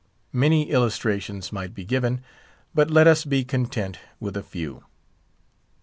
Many illustrations might be given, but let us be content with a few.